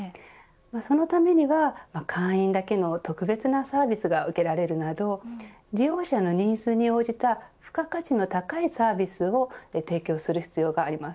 そのためには会員だけの特別なサービスが受けられるなど利用者のニーズに応じた付加価値の高いサービスを提供する必要があります。